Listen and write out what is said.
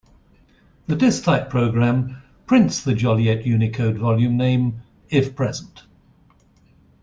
The disktype program prints the Joliet Unicode volume name, if present.